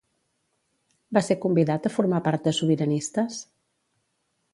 Va ser convidat a formar part de Sobiranistes?